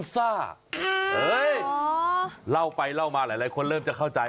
สับปะรด